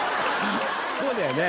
こうだよね？